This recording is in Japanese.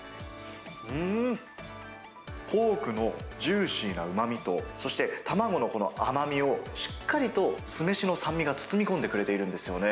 うーん、ポークのジューシーなうまみと、そして卵のこの甘みを、しっかりと酢飯の酸味が包み込んでくれているんですよね。